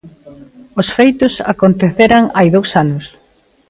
Os feitos aconteceran hai dous anos.